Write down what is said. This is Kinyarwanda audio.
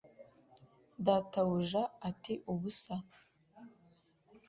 Databuja ati Ubusa